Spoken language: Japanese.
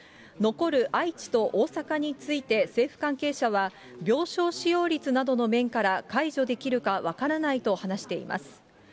残る愛知と大阪について政府関係者は、病床使用率などの面から解除できるか分からないと話しています。